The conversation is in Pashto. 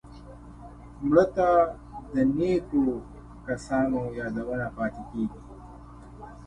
مړه ته د نیکو کسانو یادونه پاتېږي